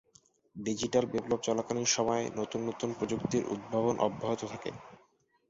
Digital বিপ্লব চলাকালীন সময়ে নতুন নতুন প্রযুক্তির উদ্ভাবন অব্যাহত থাকে।